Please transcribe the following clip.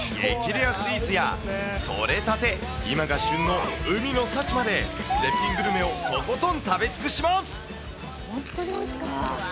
レアスイーツや、取れたて、今が旬の海の幸まで、絶品グルメをとことん食べ尽くします。